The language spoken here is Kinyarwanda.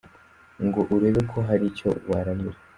Ngo urebe ko hari icyo waramira.